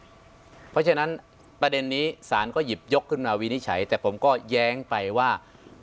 เพราะฉะนั้นประเด็นนี้สารก็หยิบยกขึ้นมาวินิจฉัยแต่ผมก็แย้งไปว่า